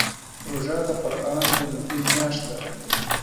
روژه د قران د نزول میاشت ده.